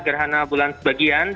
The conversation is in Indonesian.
gerhana bulan sebagian